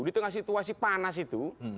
di tengah situasi panas itu